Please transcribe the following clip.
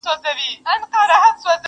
یو سپین ږیری وو ناروغه له کلونو،